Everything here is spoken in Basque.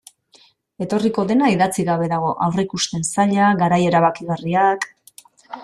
Etorriko dena idatzi gabe dago, aurreikusten zaila, garai erabakigarriak...